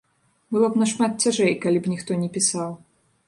Было б нашмат цяжэй, калі б ніхто не пісаў.